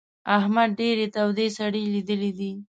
احمد ډېرې تودې سړې ليدلې دي.